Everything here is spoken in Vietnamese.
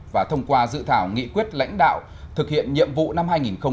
và thông qua dự thảo nghị quyết lãnh đạo thực hiện nhiệm vụ năm hai nghìn hai mươi